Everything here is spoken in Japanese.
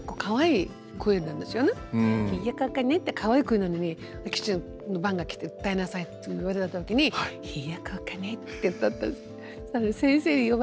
「ひよこがね」ってかわいい声なのに番が来て「歌いなさい」って言われたときに「ひよこがね」って歌ったんです。